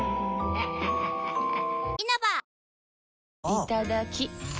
いただきっ！